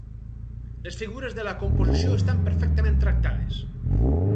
Les figures de la composició estan perfectament tractades.